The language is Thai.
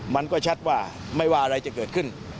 มันก็ชัดว่าไม่ว่าอะไรจะเกิดขึ้น